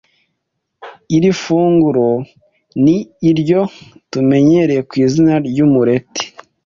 Iri funguro ni iryo tumenyereye ku izina ry’umureti